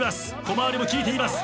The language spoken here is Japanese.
小回りも利いています。